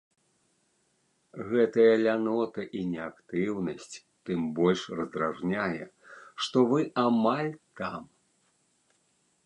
Гэтая лянота і неактыўнасць тым больш раздражняе, што вы амаль там.